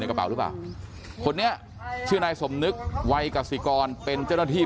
กระเป๋าหรือเปล่าคนนี้ชื่อนายสมนึกวัยกสิกรเป็นเจ้าหน้าที่